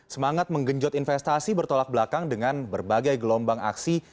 semangat menggenjot investasi bertolak belakang dengan berbagai gelombang aksi